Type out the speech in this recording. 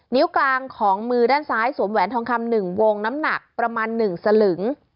นิ้วกลางของมือด้านซ้ายสวมแหวนทองคำ๑วงน้ำหนักประมาณ๑สลึง